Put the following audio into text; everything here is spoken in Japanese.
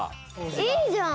いいじゃん！